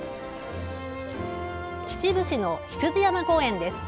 秩父市の羊山公園です。